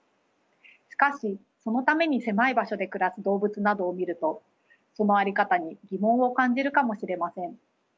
しかしそのために狭い場所で暮らす動物などを見るとその在り方に疑問を感じるかもしれません。